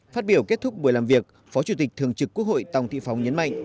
phát biểu kết thúc buổi làm việc phó chủ tịch thường trực quốc hội tòng thị phóng nhấn mạnh